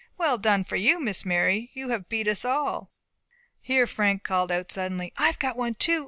"Well done for you, Miss Mary; you have beat us all!" Here Frank called out suddenly, "I have got one too!